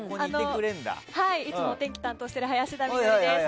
いつもお天気を担当している林田美学です。